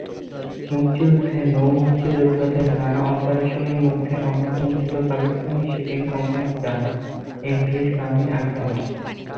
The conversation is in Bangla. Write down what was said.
মুক্তিযুদ্ধে নৌ-মুক্তিযোদ্ধাদের নানা অপারেশনের মধ্যে অন্যতম ছিলো পাকিস্তানি শিপিং কোম্পানির জাহাজ ‘এমভি সামি’ আক্রমণ।